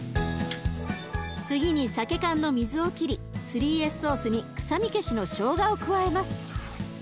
次にさけ缶の水を切り３Ｓソースに臭み消しのしょうがを加えます。